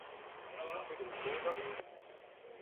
Pegen kozh oc'h ?